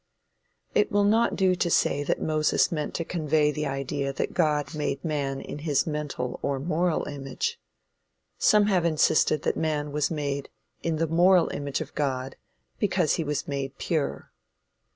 It will not do to say that Moses meant to convey the idea that God made man in his mental or moral image. Some have insisted that man was made in the moral image of God because he was made pure.